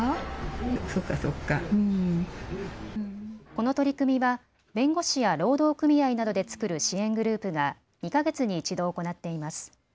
この取り組みは弁護士や労働組合などで作る支援グループが２か月に１度行っています。